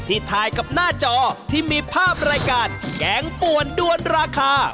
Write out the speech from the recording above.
ถ่ายกับหน้าจอที่มีภาพรายการแกงป่วนด้วนราคา